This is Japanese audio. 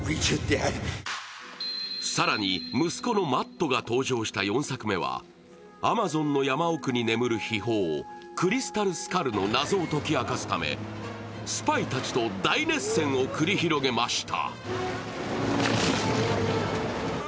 更に、息子のマットが登場した４作目は、アマゾンの山奥に眠る秘宝、クリスタル・スカルの謎を解き明かすためスパイたちと大熱戦を繰り広げました。